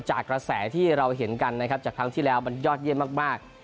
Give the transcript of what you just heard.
จากกระแสที่เราเห็นกันนะครับจากครั้งที่แล้วมันยอดเยี่ยมมาก